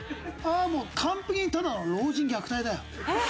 完璧にただの老人虐待だよ。えっ！